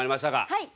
はい。